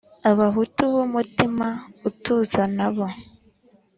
Abahutu b'umutima utuza nabo